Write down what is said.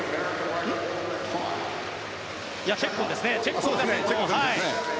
いや、チェッコンですね。